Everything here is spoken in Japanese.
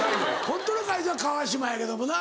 ホントの凱旋は川島やけどもな。